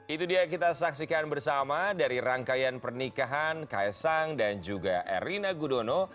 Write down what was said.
itu dia kita saksikan bersama dari rangkaian pernikahan kaisang dan juga erina gudono